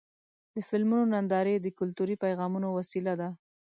د فلمونو نندارې د کلتوري پیغامونو وسیله ده.